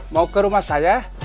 mau ke rumah saya